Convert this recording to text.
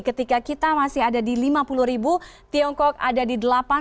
ketika kita masih ada di lima puluh tiongkok ada di delapan puluh tiga empat ratus empat puluh sembilan